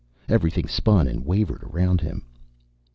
Everything spun and wavered around him.